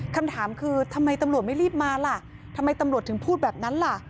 คำถามคือทำไมตำรวจไม่รีบมาล่ะทำไมตำรวจถึงพูดแบบนั้นล่ะ